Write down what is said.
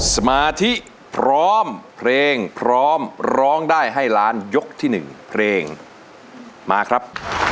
สมาธิพร้อมเพลงพร้อมร้องได้ให้ล้านยกที่๑เพลงมาครับ